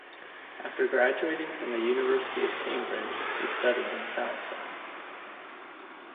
After graduating from the University of Cambridge he studied in Palestine.